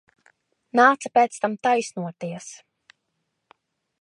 Nāca pēc tam taisnoties.